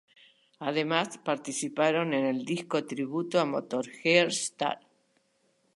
Además, participaron en el disco tributo a Motörhead, "St.